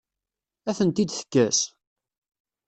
Ad tent-id-tekkes?